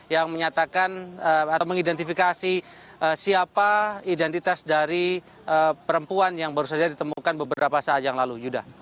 yang menyatakan atau mengidentifikasi siapa identitas dari perempuan yang baru saja ditemukan beberapa saat yang lalu yuda